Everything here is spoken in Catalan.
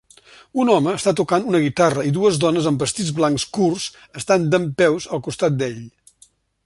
Un home està tocant una guitarra i dues dones amb vestits blancs curts estan dempeus al costat d'ell